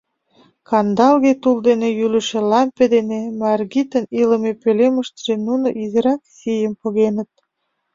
Кандалге тул дене йӱлышӧ лампе дене Маргитын илыме пӧлемыштыже нуно изирак сийым погеныт.